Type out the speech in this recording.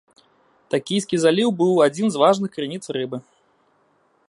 Такійскі заліў быў адзін з важных крыніц рыбы.